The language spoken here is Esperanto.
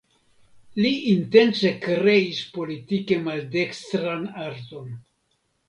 Li intence kreis politike maldekstran arton.